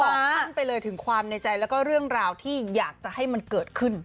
บอกขั้นไปเลยว่าความในใจและเรื่องราวที่อยากให้มันเกิดขึ้น